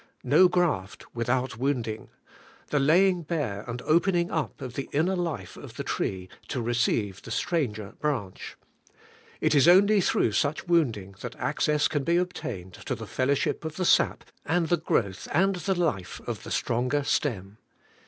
No graft without wounding, — the laying bare and opening up of the inner life of the tree to receive the stranger branch. It is only through such wounding that access can be obtained to the fellowship of the sap and the growth and the life of the stronger stem.